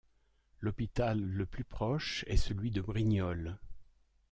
L'hôpital le plus proche est celui de Brignoles.